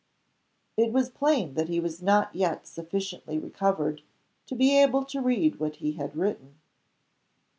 It was plain that he was not yet sufficiently recovered to be able to read what he had written.